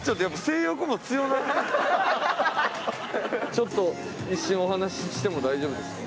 ちょっと一瞬お話ししても大丈夫ですか？